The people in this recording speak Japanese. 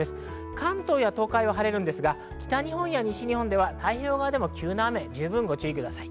関東や東海は晴れて、北日本や西日本では太平洋側でも急な雨にご注意ください。